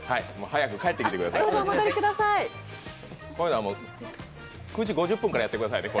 早く帰ってくださいね。